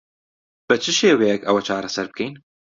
بە چ شێوەیەک ئەوە چارەسەر بکەین؟